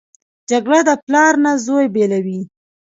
جګړه د پلار نه زوی بېلوي